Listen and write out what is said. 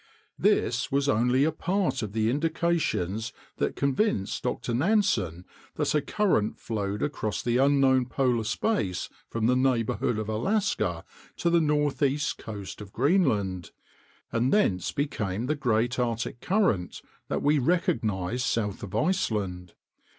This was only a part of the indications that convinced Dr. Nansen that a current flowed across the unknown polar space from the neighborhood of Alaska to the northeast coast of Greenland, and thence became the great Arctic current that we recognize south of Iceland.